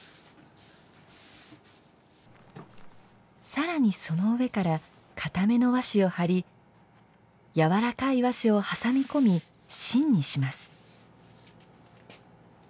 さらにその上から硬めの和紙を貼り柔らかい和紙を挟み込み芯にします。